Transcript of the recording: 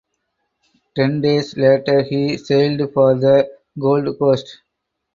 Ten days later he sailed for the Gold Coast.